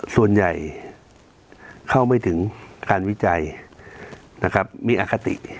ส่วนใหญ่เข้าไม่ถึงการวิจัยมีอคติ